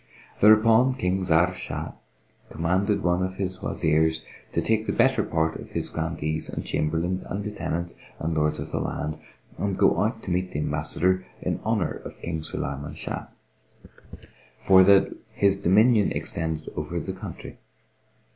Thereupon King Zahr Shah commanded one of his Wazirs to take the better part of his Grandees and Chamberlains and Lieutenants and Lords of the land, and go out to meet the ambassador in honour of King Sulayman Shah; for that his dominion extended over the country.